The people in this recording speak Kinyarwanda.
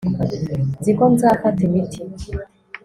nzi ko nzafata imiti